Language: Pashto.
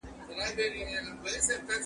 ما سهار دي ور منلي شنه لوټونه